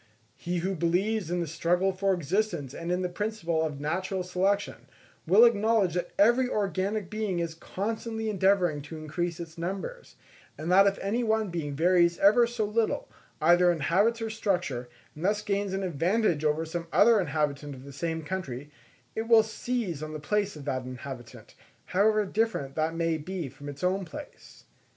He who believes in the struggle for existence and in the principle of natural selection, will acknowledge that every organic being is constantly endeavouring to increase in numbers; and that if any one being varies ever so little, either in habits or structure, and thus gains an advantage over some other inhabitant of the same country, it will seize on the place of that inhabitant, however different that may be from its own place.